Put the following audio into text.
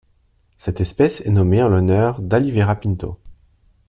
Cette espèce est nommée en l'honneur d'Aliveira Pinto.